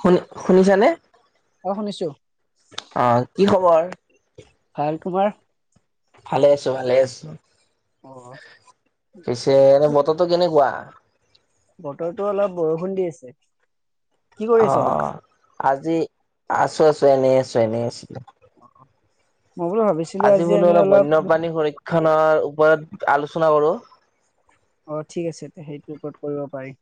শনি শুনিছানে? অ শুনিছো অ কি খবৰ? [inaudible] ভাল তোমাৰ? ভালে আছো ভালে আছো। অ পিছে ৰবট, বতৰ কেনেকুৱা? বতৰৰতো অলপ বৰষুণ দি আছে। কি কৰি আছা তুমি? অ' আজি আছো আছো এনেই আছো এনেই আছিলো। [unintelligible] আজি বোলো অলপ বন্যপ্ৰাণী সংৰক্ষণৰ ত আলোচনা কৰো। অ ঠিক আছে সেইটো ওপৰত কৰিব পাৰি।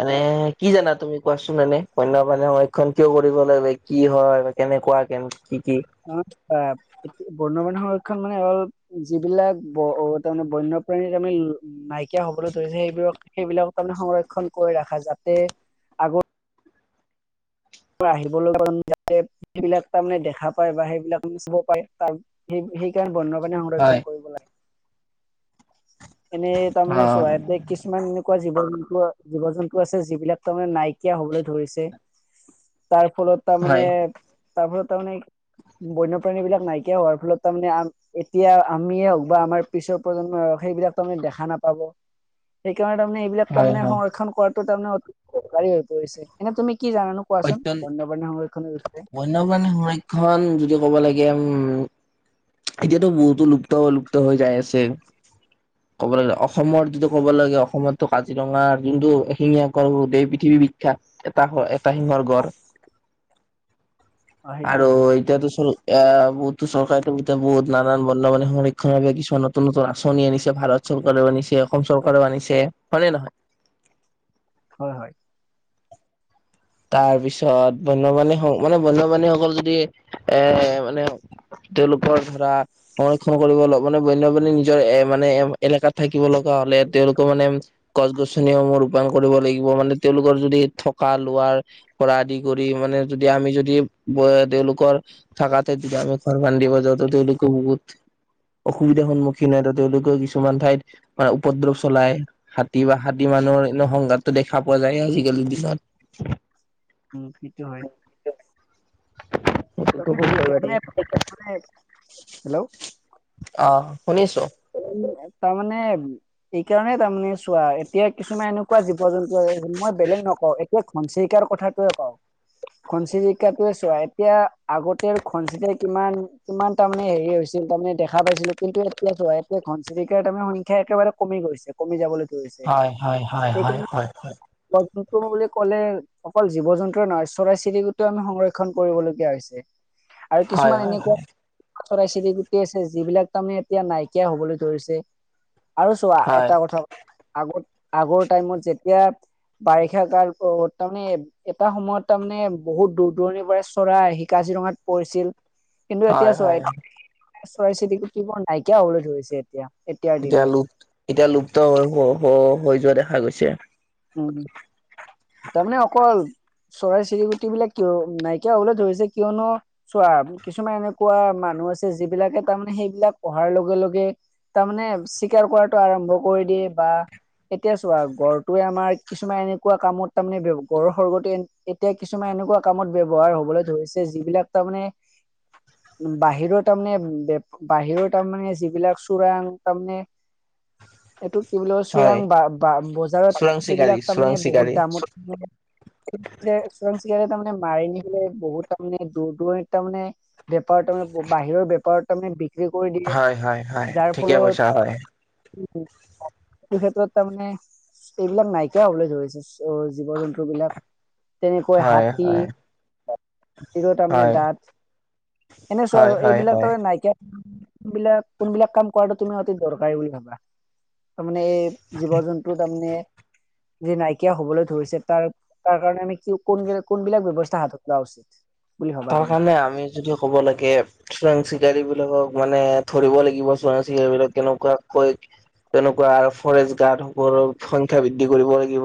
এানে কি জানা তুমি কোৱাচোন এনে বন্য মান সংৰক্ষণ কিয় কৰিব লাগে কি হয়, বা কেনেকুৱা কেনে। কি কি? আহ, এ বন্যপ্ৰাণী সংৰক্ষণ মানে হ'ল, যিবিলাক তাৰমানে বন্যপ্ৰাণী তাৰমানে নাইকিয়া হবলৈ ধৰিছে সেইবিলাক সেইবিলাক তাৰমানে সংৰক্ষণ কৰি ৰাখা যাতে আগৰ। আহিব লগা, সেইবিলাক তাৰমানে দেখা পায় বা সেইবিলাক চব পাৰে ত সেই সেইকাৰণে বন্ধ। হয় সংৰক্ষণ কৰিব লাগে। এনে তাৰমানে অ' চোৱা, এ কিছুমান এনেকুৱা জীৱ জীৱ জন্তু, জীৱ জন্তু আছে, যিবিলাক তাৰমানে নাইকিয়া হবলৈ ধৰিছে। তাৰ ফলত তাৰমানে হয় তাৰ ফলত তাৰমানে, বন্যপ্ৰাণী বিলাক নাইকিয়া হোৱাৰ ফলত তাৰমানে, আ, এতিয়া আমিয়ে হওক বা আমাৰ পিছৰ প্ৰজন্মই হওক সেইবিলাক তাহাতি দেখা নাপাব। সেইকাৰণে তাৰমানে, এইবাকাৰে হয় তাৰমানে হয় সংৰক্ষণ কৰাটো তাৰমানে, অতি উপকাৰী হৈ পৰিছে, এনে তুমি কি জানানো কোৱাচোন অত্যন, বন্যপ্ৰাণী সংৰক্ষণৰ বিষয়ে বন্যপ্ৰাণীৰ সংৰক্ষণ যদি, ক'ব লাগ লে এতিয়াতো, বহুতো লুপ্ত, লুপ্ত হৈ যাই আছে, ক'বলে গ'লে অসমত যিটো ক'ব লাগে অসমতো কাজিৰঙাৰ যোনটো এশিঙীয়া গঁড় গোটেই পৃথিৱী বিখ্যাত। এটা এটা হিঙৰ গড়। অ সেইটো আৰু হয় এতিয়াতো চল এ, বহুতো চৰকাৰতো বহুত নানান বন্য প্ৰাণী সংৰক্ষণ বাবে কিছুমান নতুন নতুন আঁচনি আনিছে, ভাৰত চৰকাৰেও আনিছে, অসম চৰকাৰেও আনিছে হয়নে, নহয়। হয়! হয়! তাৰ পিছত বন্যপাণী, মানে বন্যপাণীসকল, যদি এ মানে তেওঁলোকৰ ধৰা, সংৰক্ষণ কৰিব লাগে নে, মানে বন্যপ্ৰাণী নিজৰ এ, মানে এলেকাত থাকি শিকিব লগা হ'লে তেওঁলোকৰ মানে গছ গছনিসমূহ ৰূপায়ণ কৰিব লাগিব। মানে তেওঁলোকৰ যদি থকা লোৱাৰ পৰা আদি কৰি মানে যদি, আমি যদি তেওঁলোকৰ থকা ঠাইত যদি আমি ঘৰ বান্ধিব যাওঁ, ত, তেওঁলোকেও বহুত অসুবিধাৰ সন্মুখীন হয়, ত' তেওঁলোকেও কিছুমান ঠাইত, পৰা, উপদ্ৰৱ চলাই। হাতী বা হাতী মানুহৰ এনে সংঘাতটো দেখা পোৱা যায় আজিকালিৰ দিনত। উ! সেইটো হয়। সেইকাৰণে, মানে, হেল্ল'? অ শুনিছো তাৰমানে এইকাৰণে তাৰমানে চোৱা, এতিয়া কিছুমান এনেকুৱা জীৱ জন্তু আছে, যে, মই বেলেগ নকওঁ, এতিয়া ঘনচিৰিককাৰ কথাটোৱে কওঁ, ঘনচিৰিকাাতয়ে চোৱা এতিয়া আগতে আৰু ঘনচিৰিকায়ে কিমান, কিমান তাৰমানে হেৰি হৈছিল, তাৰমানে দেখা পাইছিলোঁ, কিন্তু এতিয়া যোৱা এ ঘনচিৰিকাৰ তাৰমানে সংখ্যা একেবাৰে কমি গৈছে কমি যাবলৈ ধৰ হয় হয় হয় হয়। জীৱ জন্তু বুলি ক'লে, অকল জীৱ জন্তুৰে নহয় চৰাই চিৰিকটিৰো আমি সংৰক্ষণ কৰিবলগীয়া হৈছে। এক আৰু হয় কিছুমান হয় এনেকুৱা হয় চৰাই চিৰিকটি আছে, যিবিলাক তাৰমানে এতিয়া নাইকিয় হ'বলৈ ধৰিছে। আৰু চোৱা হয় এটা কথা আগত, আগৰ টাইমত যেতিয়া বাৰিষা কাল, তাৰমানে, এটা সময়ত তাৰমানে, বহুত দূৰ দূৰণিৰ পৰাৰে চৰাই আহি কাজিৰঙাত পৰিছিল। কিন্তু এতিয়া হয় চোৱা, হয়। চৰাই চিৰিকটি বোৰ নাই কিয় হ'বলৈ ধৰিছে এতিয়া? এতিয়াৰ এতিয়া দিনত। লুপ, এতিয়া লুপ্ত হৈ হৈ যোৱা দেখা খা গৈছে। উ, তাৰমানে অকল চৰাই চিৰিকুটি বিলাক কিয়, নাইকিয়া হ'বলৈ ধৰিছে, কিয়নো, চোৱা, কিছুমান এনেকুৱা মানুহ আছে যিবিলাকে তাৰমানে সেইবিলাক অহাৰ লগে লগে, তাৰমানে, চিকাৰ কৰাটো আৰম্ভ কৰি দিয়ে, বা এতিয়া চোৱা গড় টোৱে আমাৰ কিছুমান এনেকুৱা কামত, তাৰমানে, গড়ৰ খৰ্গটো এতিয়া কিছুমান এনেকুৱা কামত ব্যয়ৱহাৰ হ'বলৈ ধৰিছে, যিবিলাক তাৰমানে, বাহিৰৰ তাৰমানে, বাহিৰত তাৰমানে, যিবিলাক চোৰাং, তাৰমানে এইটো কি বুলি হয় চোৰাং বা বজাৰত চোৰাং চিকাৰী সেইবিলাক তাৰমানে চোৰাং বহুত চিকাৰী। দামত। আজিকালি তাৰমানে মাৰি নিলে বহুত তাৰমানে দূৰ দূৰণত তাৰ মানে বেপাৰত তাৰে বাহিৰৰ বেপাৰত তাৰ মানে। হয় হয় হয় ঠিকে কৈছা হয়। কি খ্ষেতত তামানে এইবিলাক নাইকিয়া হবলৈ ধৰিছে জীৱ জন্তু বিলাক তেনেকৈ হয় হাতী হয় তাৰমানে হয় দাঁত এনে হয় চোৱা হয় এইবিলাক হয়। তাৰ নাইকিয়া কোনবিলাক কোনবিলাক কাম কৰাটো তুমি অতি দৰকাৰী বুলি ভাবা? তাৰমানে এই জীৱ জন্তু তাৰমানে যে নাইকিয়া হবলৈ ধৰিছে তাৰ তাৰ কাৰণে আমি কি কোন কোনবিলাক ব্যয়ৱস্থা হাতত লোৱা উচিত। বুলি ভাবা তাৰ তুমি কাৰণে আমি যদি ক'ব লাগে। চোৰাং চিকাৰী বিলাকক মানে ধৰিব লাগিব চোৰাং চিকাৰী বিলাক কেনেকুৱাকৈ তেনেকুৱা ফৰেষ্ট গাৰ্ড সকলৰ সংখ্যা বৃদ্ধি কৰিব লাগিব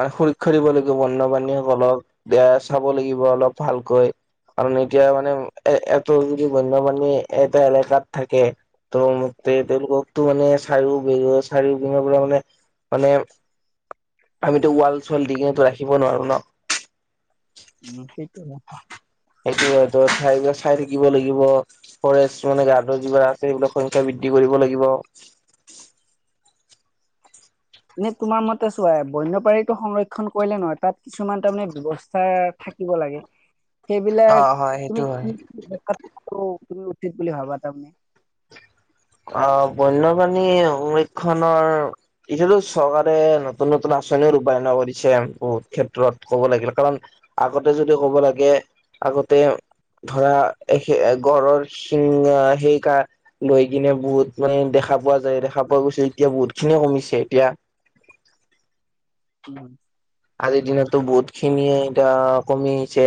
মানে সুৰক্ষা দিব লাগিব বন্যপ্ৰণীসকলক দিয়া চাব লাগিব। অলপ ভালকৈ কাৰণ এতিয়া মানে এ এটো যদি বন্যপ্ৰানণী এটা এলেকাত থাকে ত তেওঁলোককো মানে চাৰিও বি চাৰিও বিঙ পৰা মানে মানে আমিতো ৱাল চাল দি কিনে ৰাখিব নোৱাৰো ন। উম ঠিক ন। সেইটো ঠাই চাই থাকিব লাগিব ফৰেষ্ট মানে গাৰ্ডৰ যিবিলাক আছে সেইবোৰাক সংখ্যা বৃদ্ধি কৰিব লাগিব। এনে তোমাৰ মতে চোৱা বনপ্ৰনীটো সংৰক্ষণ কৰিলে নহয় তাত কিছুমান তাৰমানে ব্যৱস্থা থাকিব লাগে। অ সেইবিলাক হয় সেইটো তুমি হয়। কি কি তুমি উচিত বুলি ভাবা তাৰ মানে। অ বন্যপ্ৰাণী সংৰক্ষণৰ এতিয়াটো চৰকাৰে নতুন নতুন আঁচনিও ৰূপায়ন কৰিছে বহুত ক্ষেত্ৰত ক'ব লাগিলে কাৰণ আগতে যদি ক'ব লাগে আগতে ধৰা গড়ৰ শিং সেই ক লৈ কিনে বহুত মানে দেখা পোৱা যায় দেখা পোৱা গৈছে এতিয়া বহুত খিনিয়ে কমিছে এতিয়া। উম আজিৰ দিনতো বহুত খিন যে এটা কমিছে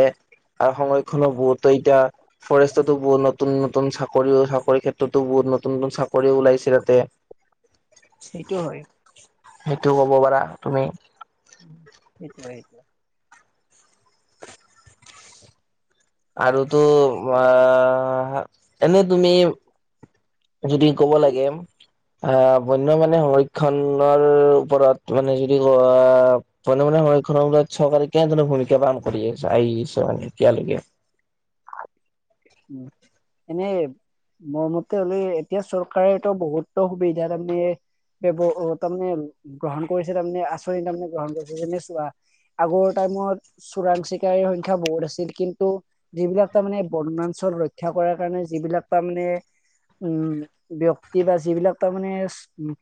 আৰু সংৰক্ষণো বহুতো এতিয়া ফৰেষ্টতো বহুত নতুন নু নতুন চাকৰি চাকৰিৰ ক্ষেত্ৰতো বহুত নতুন নতুন চাকৰি ওলাইছে তাতে। সেইটো হয়। সেইটোও কব পাৰা তুমি উম সেইটো সেইটো আৰুতো অ এনেই তুমি যদি কব লাগে আহ বন্য প্ৰাণীসংৰক্ষনৰৰ ওপৰত মানে যদি ক আহ বন্য সংৰক্ষনৰৰ ওপৰত চৰকাৰে কেনেধৰণৰ ভূমিকা পালন কৰিছে আহিছে মানে, এতিয়া লৈকে? উম এনে মোৰ মতে হলে এতিয়া চৰকাৰেটো বহুতো সুবিধা তাৰমানে বৱ তাৰমানে গ্ৰহণ কৰিছে তাৰমানে আচনি তাৰমানে গ্ৰহণ কৰিছে যেনে চ আগৰ টাইমত চোৰাং চিকাৰীৰ সংখ্যা বহুত আছিল কিন্তু যিবিলাক তাৰ মানে বনাঞ্চল ৰক্ষা কৰাৰ কাৰণে যিবিলাক তাৰ মানে উম ব্যক্তি বা যিবিলাক তাৰ মানে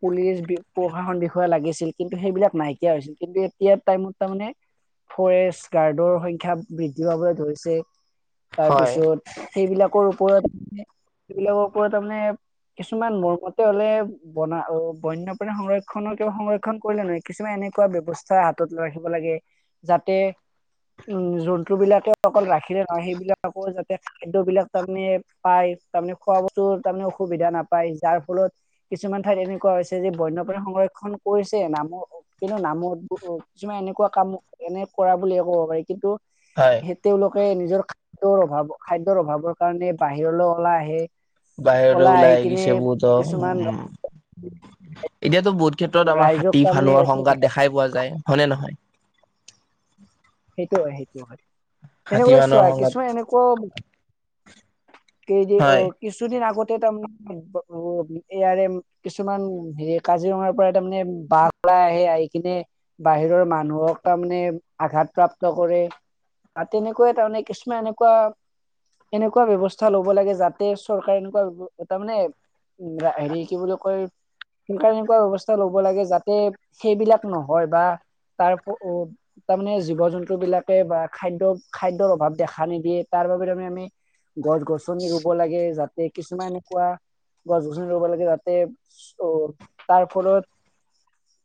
পুলিচ প্ৰশাসন বিষয়া লাগিছিল কিন্তু সেইবিলাক নাইকিয়া হৈছিল কিন্তু এতিয়া টাইমত তাৰমানে ফৰেষ্ট গাৰ্ডৰ সংখ্যা বৃদ্ধি পাবলৈ ধৰিছে। হয়। তাৰপিছত সেইবিলাকৰ ওপৰত সিবিলাকৰ ওপৰত তাৰমানে কিছুমান মোৰমতে হলে বনা বন্যপ্ৰাণী সংৰক্ষণৰ ক সংৰক্ষণ কৰিলে নহয় কিছুমান এনেকুৱা ব্যৱস্থা হাতত ৰাখিব লাগে যাতে উম জন্তু বিলাকে অকল ৰাখিয়ে সেইবিলাকো যা খাদ্যবিলাক তাৰমানে পাই তাৰমানে খোৱা বস্তু তাৰমানে অসুবিধা নাপাই যাৰ ফলত কিছুমান ঠাইত এনেকুৱা হৈছে যে বন্যপ্ৰাণী সংৰক্ষন কৰিছে নামত কিন্তু নামত কিছুমান এনেকুৱা কাম এনে কৰা বুলিয়ে ক'ব পাৰি কিন্তু। হয় হে তেওঁলোক এই নিজৰ, খাদ্যৰ অভাৱ খাদ্যৰ অভাৱৰ কাৰণে বাহিৰলৈ ওলাই আহে। বাহিৰতে ওলাই আহি গিছে বহুতো উ কিছুমান এতিয়াতো বহুত ক্ষেত্ৰত আমাৰ ৰাইজক হাতী তাৰমানে ভানুৱাৰ সংঘাত অসুবিধা দেখাই পোৱা যায় হয় নে নহয় [unintelligible] সেইটো হয় সেইটো হয়। হাতী এনেকুৱা মানুহৰ চোৱা সংঘাত কিছুমান এনেকুৱা কেই যে অ হয় কিছুদিন আগত তাৰমানে উ এইয়াৰে কিছুমান হেৰি কাজিৰঙাৰ পৰা তাৰমানে বাঘ ওলাই আহে আহি কিনে বাহিৰৰ মানুহক তাৰমানে আঘাত প্ৰাপ্ত কৰে বা তেনেকুৱাই তাৰমানে কিছুমান এনেকুৱা এনেকুৱা ব্যৱস্থা লব লাগে যাতে চৰকাৰে এনেকুৱা তাৰমানে হেৰি কি বুলি কয় চৰকাৰে এনেকুৱা ব্যৱস্থা লব লাগে যাতে সেইবিলাক নহয় বা তাৰ তাৰমানে জীৱ জন্তু বিলাকে বা খাদ্য খাদ্যৰ অভাৱ দেখা নিদিয়ে তাৰ বাবে আমি আমি গছ গছনি ৰুব লাগে যাতে কিছুমান এনেকুৱা গছ গছনি ৰুব লাগে যাতে অ তাৰ ফলত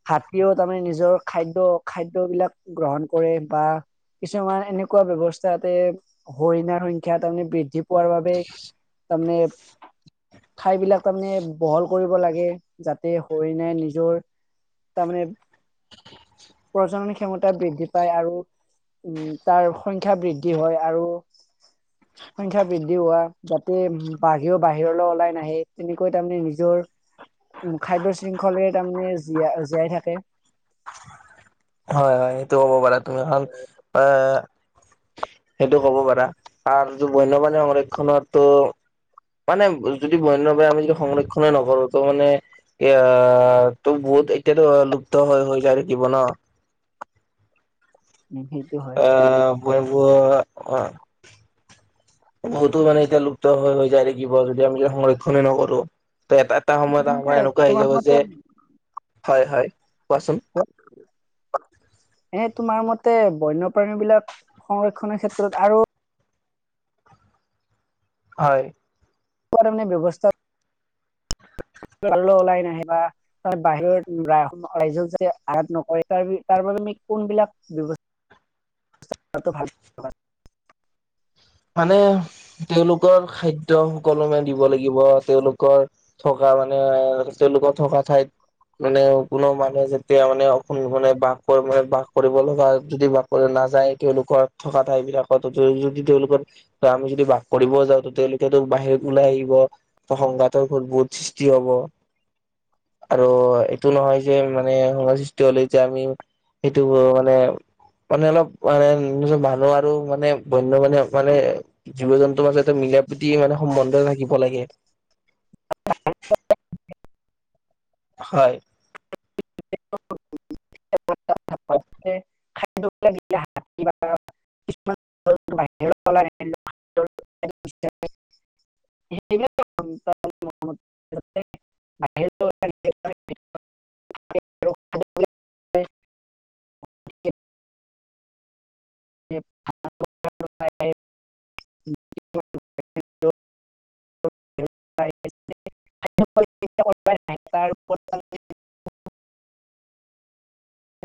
হাতীত আমি নিজৰ খাদ্য খাদ্যবলাক গ্ৰহণ। কৰে বা কিছুমান এনেকুৱা ব্যৱস্থাতে হৰিণাৰ সংখ্যা তাৰমানে বৃদ্ধি পোৱাৰ বাবে তাৰমানে ঠাই বিলাক তাৰমানে বহল কৰিব লাগে যাতে হৰিণাই নিজৰ তাৰমানে প্ৰজনন ক্ষমতা বৃদ্ধি পায় আৰু উম তাৰ সংখ্যা বৃদ্ধি হয় আৰু সংখ্যা বৃদ্ধি হোৱা যাতে বাহিৰৰেও বাহিৰলৈ ওলাই নাহে তেনেকৈ তাৰমানে নিজৰ উ খাদ্য শৃংখলে তাৰমানে জীয়াই জীয়াই থাকে। হয় হয়। হ'ব পাৰা তুমিখন এ সেইটো ক'ব পাৰা আৰু যদি বন্যপ্ৰাণী সংৰক্ষনটো মানে যদি বন্যপ্ৰাণী আমি যদি সংৰক্ষনেই নকৰো ত মানে এ ত বহুত এতিয়াতো লুপ্ত হৈ হৈ যায় থাকিব ন। সেইটো হয় এ অ বয় অ অ বহুতো মানে এতিয়া লু লুপ্ত হৈ যায় থাকিব। আমিযে সংৰক্ষনে নকৰো। এটা এটা সময়ত আমাৰ এনেকুৱা আহি তোমাৰ যাব যে মতে হয় হয়। কোৱাচোন উ [inaudible] এ তোমাৰ মতে বন্যপ্ৰাণী বিলাক সংৰক্ষণৰ ক্ষেত্ৰত আৰু হয় [inaudible] ব্যৱস্থাত লৈ ওলাই নাহে বা ত বাহিৰত ৰাইজক যাতে আঘাত নকৰে তাৰ তাৰ বাবে আমি কোনবিলাক ব্যৱস্থা কৰাটো ভাল। মানে তেওঁলোকৰ খাদ্য সুকলমে দিব লাগিব তেওঁলোকৰ থকা মানে তেওঁলোকৰ থকা ঠাইত মানে থকা মানে কোনো মানুহে যেতিয়া মানে অ মানে বাস মানে বাস কৰিব লগা যদি বাস কৰিব নাযায় তেওঁলোকৰ থকা ঠাই বিলাকত যদি তেওঁলোকৰ ত আমি যদি বাস কৰিব যাওঁ তেওঁলোকেতো বাহিৰত ওলাই আহিব ত সংঘাতৰ বহুত সৃষ্টি হব আৰু এইটো নহয় যে মানে সংঘাত সৃষ্টি হলে আমি এইটো মানে মানে অলপ মানে মানুহৰো আৰু মানে বন্যপ্ৰাণী মানে জীৱ জন্তুৰ মাজতে মিল প্ৰীতি মানে সম্বন্ধ থাকিব লাগে। হয়। খাদিৰ [inaudible] [inaudible] [inaudible]